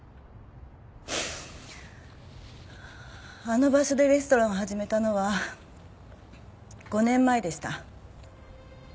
あの場所でレストランを始めたのは５年前でした。